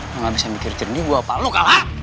lo gak bisa mikir jernih gua apa lo kalah